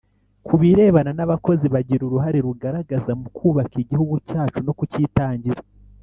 Kubirebana n’abakozi, bagira uruhare rugaragaza mu kubaka igihugu cyacu no kucyitangira.